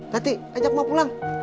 tati ajak mbak pulang